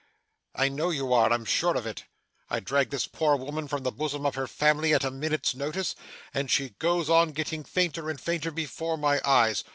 'I know you are. I'm sure of it. I drag this poor woman from the bosom of her family at a minute's notice, and she goes on getting fainter and fainter before my eyes.